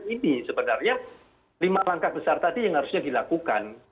ini sebenarnya lima langkah besar tadi yang harusnya dilakukan